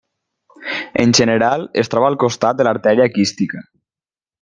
En general, es troba al costat de l'artèria quística.